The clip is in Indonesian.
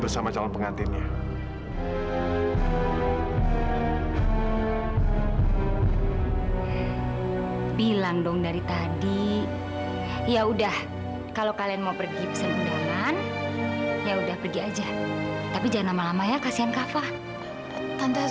sampai jumpa di video selanjutnya